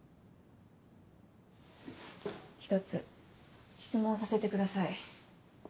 一つ質問をさせてください。